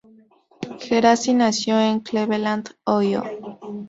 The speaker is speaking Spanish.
Geraci nació en Cleveland, Ohio.